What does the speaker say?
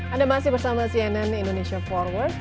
anda masih bersama cnn indonesia forward